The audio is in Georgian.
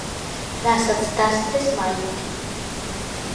რასაც დასთეს მაიმკი